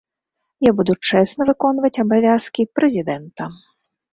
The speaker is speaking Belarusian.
Я буду чэсна выконваць абавязкі прэзідэнта.